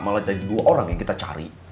malah jadi dua orang yang kita cari